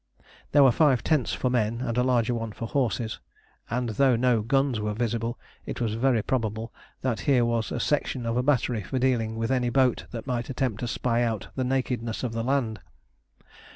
There were five tents for men and a larger one for horses, and though no guns were visible it was very probable that here was a section of a battery for dealing with any boat that might attempt to spy out the nakedness of the land.